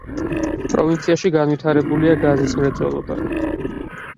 პროვინციაში განვითარებულია გაზის მრეწველობა.